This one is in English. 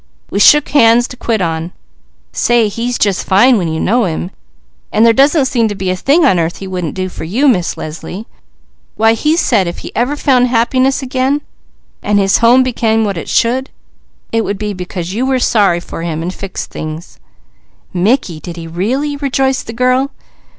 We shook hands to quit on. Say, he's just fine when you know him, and there doesn't seem to be a thing on earth he wouldn't do for you, Miss Leslie. Why he said if ever he found happiness again, and his home become what it should, it would be because you were sorry for him, and fixed things." "Mickey, did he really?" rejoiced the girl.